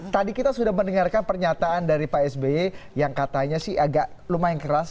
tadi kita sudah mendengarkan pernyataan dari pak sby yang katanya sih agak lumayan keras